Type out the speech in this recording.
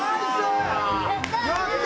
やった！